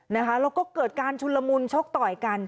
แล้วก็เกิดการชุนละมุนชกต่อยกัน